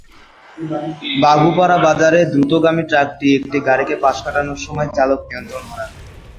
বাঘুপাড়া বাজারে দ্রুতগামী ট্রাকটি একটি গাড়িকে পাশ কাটানোর সময় চালক নিয়ন্ত্রণ হারান।